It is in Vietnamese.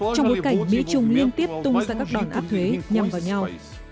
trong bối cảnh mỹ trung liên tiếp tung ra các đòn áp thuế nhằm vào nhau